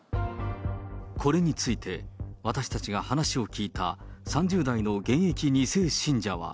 これについて、私たちが話を聞いた３０代の現役２世信者は。